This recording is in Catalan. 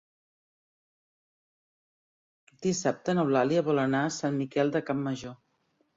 Dissabte n'Eulàlia vol anar a Sant Miquel de Campmajor.